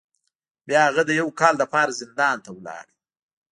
بیا هغه د یو کال لپاره زندان ته لاړ.